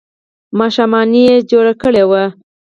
ماښامنۍ یې جوړه کړې وه.